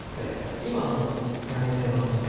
今はもうやめてますね。